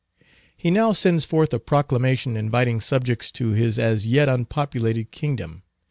He now sends forth a proclamation inviting subjects to his as yet unpopulated kingdom.